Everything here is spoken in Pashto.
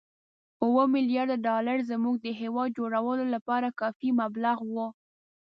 اووه ملیارده ډالر زموږ د هېواد جوړولو لپاره کافي مبلغ وو.